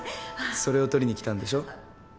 それを取りに来たんでしょ？